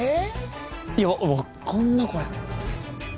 いや分かんなっこれ。